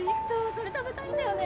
それ食べたいんだよね！